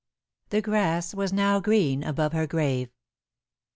The grass was now green above her grave.